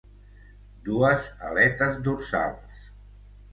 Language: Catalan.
Dues aletes dorsals.